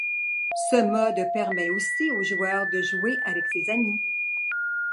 Ce mode permet aussi au joueur de jouer avec ses amis.